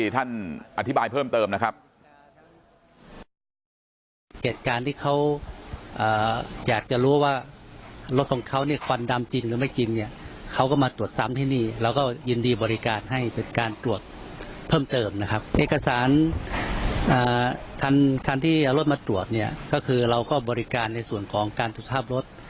ทางที่รถมาตรวจเนี่ยก็คือเราก็บริการในส่วนของการตรวจภาพรถ